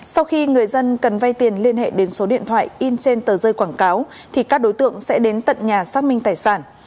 sau khi người dân cần vay tiền liên hệ đến số điện thoại in trên tờ rơi quảng cáo thì các đối tượng sẽ đến tận nhà xác minh tài sản